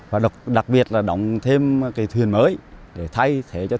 và đặc biệt là động thêm thuyền mới để thay